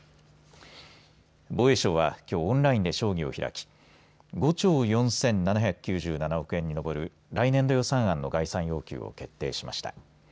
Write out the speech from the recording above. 防衛省は、きょうオンラインで省議を開き５兆４７９７億円に上る来年度予算案の概算要求を決定しました。